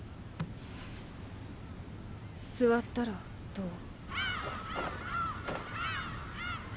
座ったらどう？